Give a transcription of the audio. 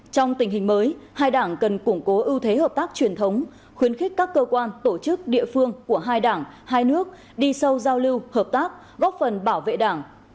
trong tình hình mới hai đảng cần củng cố ưu thế hợp tác truyền thống khuyến khích các cơ quan tổ chức địa phương của hai đảng hai nước đi sâu giao lưu hợp tác góp phần bảo vệ đảng